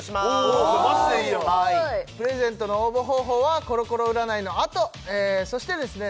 おこれマジでいいやんプレゼントの応募方法はコロコロ占いのあとそしてですね